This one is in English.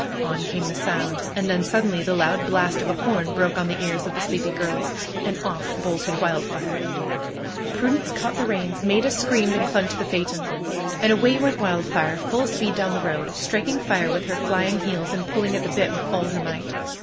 On came the sound. And then suddenly the loud blast of a horn broke on the ears of the sleepy girls. And off bolted Wildfire. Prudence caught the reins. Maida screamed and clung to the phaeton. And away went Wildfire full speed down the road, striking fire with her flying heels and pulling at the bit with all her might.